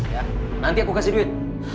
ya nanti aku kasih duit